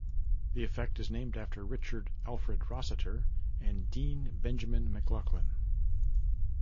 The effect is named after Richard Alfred Rossiter and Dean Benjamin McLaughlin.